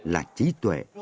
là trí tuệ